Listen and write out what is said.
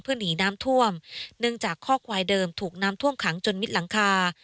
หนีน้ำท่วมเนื่องจากข้อควายเดิมถูกน้ำท่วมขังจนมิดหลังคา